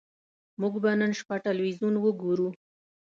موږ به نن شپه ټلویزیون وګورو